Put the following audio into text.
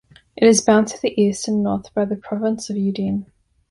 It is bounded to the east and north by the Province of Udine.